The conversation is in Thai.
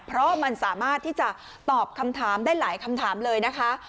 เพราะมันสามารถที่จะตอบคำถามได้หลายคำถามเลยนะคะ